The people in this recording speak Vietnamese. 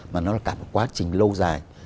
mà nó là cả một quá trình lâu dài